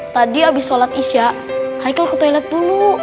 tadi abis sholat isya haikal ke toilet dulu